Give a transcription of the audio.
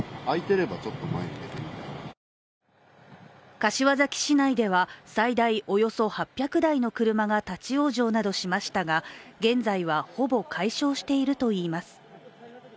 柏崎市内では最大およそ８００台の車が立往生などしましたが現在は、ほぼ解消しているといいます。